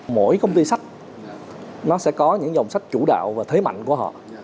mỗi công ty sách nó sẽ có những dòng sách chủ đạo và thế mạnh của họ